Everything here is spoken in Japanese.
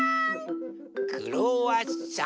クロワッサン！